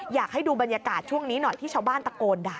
อยากให้ดูบรรยากาศช่วงนี้หน่อยที่ชาวบ้านตะโกนด่า